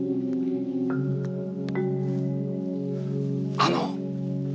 あの！